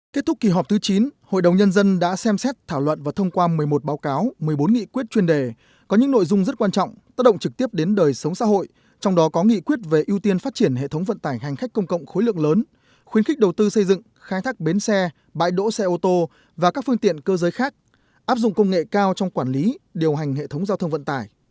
kết thúc kỳ họp thứ chín hội đồng nhân dân đã xem xét thảo luận và thông qua một mươi một báo cáo một mươi bốn nghị quyết chuyên đề có những nội dung rất quan trọng tác động trực tiếp đến đời sống xã hội trong đó có nghị quyết về ưu tiên phát triển hệ thống vận tải hành khách công cộng khối lượng lớn khuyến khích đầu tư xây dựng khai thác bến xe bãi đỗ xe ô tô và các phương tiện cơ giới khác áp dụng công nghệ cao trong quản lý điều hành hệ thống giao thông vận tải